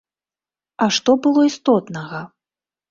А што было істотнага?